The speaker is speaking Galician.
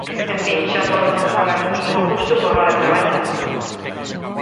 En fin, xa por non falar do mínimo custo por hora traballada.